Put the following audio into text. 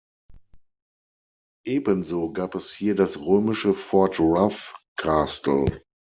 Ebenso gab es hier das römische Fort Rough Castle.